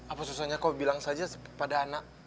apa susahnya kamu bilang saja pada anakmu